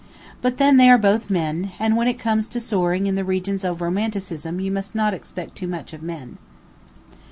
But then, they are both men, and when it comes to soaring in the regions of romanticism you must not expect too much of men.